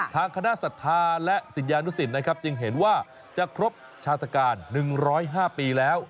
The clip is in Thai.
ทางคณะศรัทธาและศิษยานุสิตนะครับจึงเห็นว่าจะครบชาตการ๑๐๕ปีแล้ว